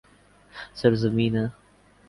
سرزمین ہے